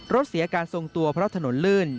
เสียการทรงตัวเพราะถนนลื่น